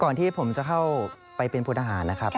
ก่อนที่ผมจะเข้าไปเป็นพนธาตุนะครับ